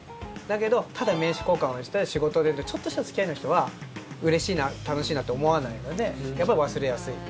だけど、ただ名刺交換をしたり仕事でのちょっとした付き合いの人はうれしいな、楽しいなと思わないのでやっぱり忘れやすい。